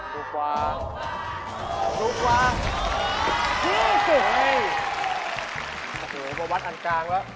เกิดว่าวัดอันกลางแล้ว